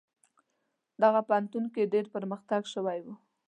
دغه پوهنتون کې ډیر پرمختګ شوی و.